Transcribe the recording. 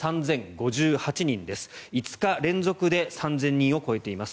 ５日連続で３０００人を超えています。